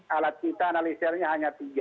alat kita analisirnya hanya tiga